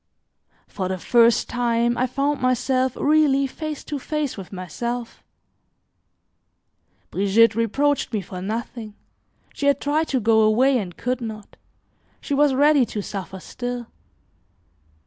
For the first time, I found myself really face to face with myself; Brigitte reproached me for nothing; she had tried to go away and could not; she was ready to suffer still.